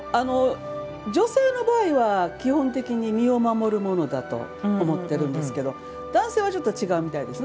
女性の場合は基本的に身を守るものだと思ってるんですが男性は違うみたいですね。